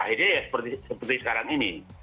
akhirnya ya seperti sekarang ini